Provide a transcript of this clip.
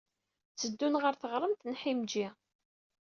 Tteddun ɣer teɣremt n Himeji.